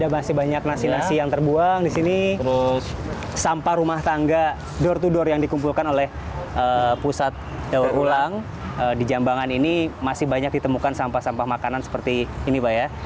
masih banyak nasi nasi yang terbuang di sini sampah rumah tangga door to door yang dikumpulkan oleh pusat daur ulang di jambangan ini masih banyak ditemukan sampah sampah makanan seperti ini pak ya